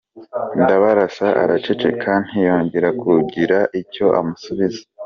Ndabarasa araceceka ntiyongera kugira icyo amusubiza.